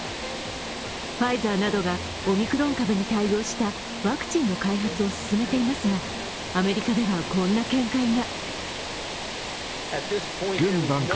ファイザーなどがオミクロン株に対応したワクチンの開発を進めていますがアメリカでは、こんな見解が。